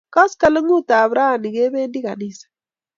Koskoling'ut ap rani kependi ganisa